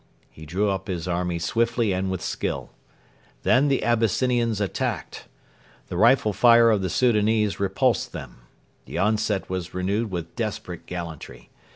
He drew up his army swiftly and with skill. Then the Abyssinians attacked. The rifle fire of the Soudanese repulsed them. The onset was renewed with desperate gallantry.